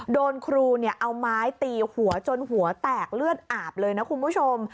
โดนครูเอาไม้ตีหัวจนหัวแตกเลือดอาบเลยนะคุณผู้ชม